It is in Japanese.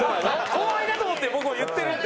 後輩だと思って僕も言ってるんで！